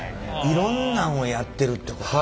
いろんなんをやってるってこと。